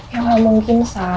ya gak mungkin sa